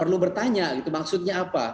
perlu bertanya gitu maksudnya apa